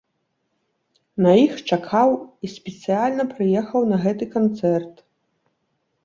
На іх чакаў, і спецыяльна прыехаў на гэты канцэрт.